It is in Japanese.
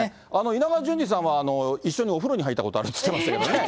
稲川淳二さんは一緒にお風呂に入ったことあるって言ってましたけ